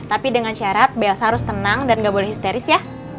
tapi dengan syarat elsa harus tenang dan nggak boleh histeris ya